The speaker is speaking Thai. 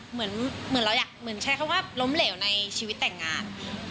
เหมือนเราอยากเหมือนใช้คำว่าล้มเหลวในชีวิตแต่งงาน